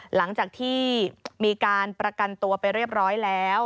หลังจากที่มีการประกันตัวไปเรียบร้อยแล้ว